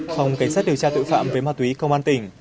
phòng cảnh sát điều tra tội phạm về ma túy công an tỉnh